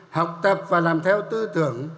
học tập và làm theo tư tưởng